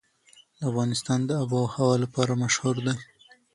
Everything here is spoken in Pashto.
افغانستان د آب وهوا لپاره مشهور دی.